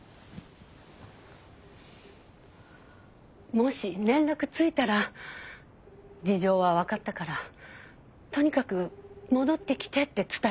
もし連絡ついたら事情は分かったからとにかく戻ってきてって伝えて。